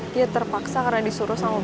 dia terpaksa karena disuruh sama